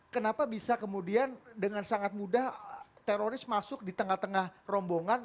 kenapa bisa kemudian dengan sangat mudah teroris masuk di tengah tengah rombongan